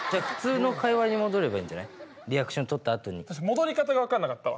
戻り方が分かんなかったわ。